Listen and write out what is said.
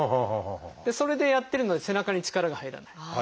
それでやってるので背中に力が入らない。